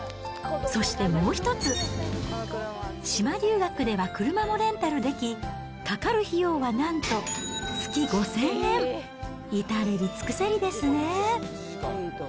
そして、もう一つ、島留学では車もレンタルでき、かかる費用はなんと、月５０００円。至れり尽くせりですね。